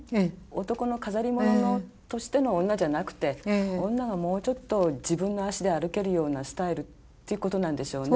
男の飾り物としての女じゃなくて女がもうちょっと自分の足で歩けるようなスタイルってことなんでしょうね。